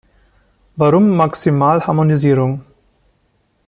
Warum Maximalharmonisierung?